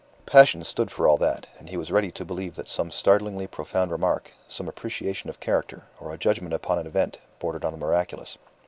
Passion stood for all that, and he was ready to believe that some startlingly profound remark, some appreciation of character, or a judgment upon an event, bordered on the miraculous.